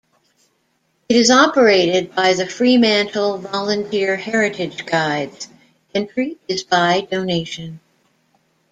It is operated by the Fremantle Volunteer Heritage Guides; entry is by donation.